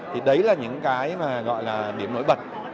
thì đấy là những cái mà gọi là điểm nổi bật